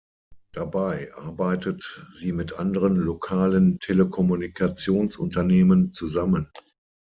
Dabei arbeitet sie mit anderen lokalen Telekommunikationsunternehmen zusammen.